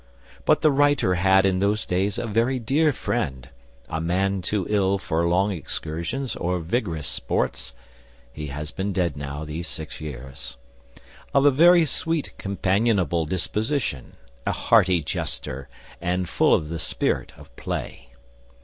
But the writer had in those days a very dear friend, a man too ill for long excursions or vigorous sports (he has been dead now these six years), of a very sweet companionable disposition, a hearty jester and full of the spirit of play.